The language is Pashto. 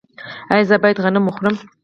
ایا زه باید غنم وخورم؟